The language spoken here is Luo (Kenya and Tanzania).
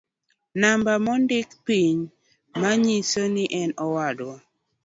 Namba mondik piny manyiso ni en owadwa